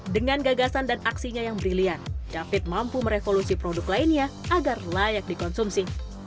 dengan gagasan dan aksinya yang brilian david mampu merevolusi produk lainnya agar layak dikonsumsi